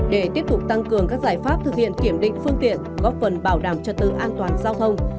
để tiếp tục tăng cường các giải pháp thực hiện kiểm định phương tiện góp phần bảo đảm trật tự an toàn giao thông